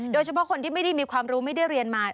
โดยเฉพาะคนที่ไม่ได้มีความรู้ไม่ได้เรียนมา